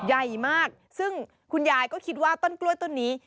ใหญ่มากซึ่งคุณยายก็คิดว่าต้นกล้วยต้นนี้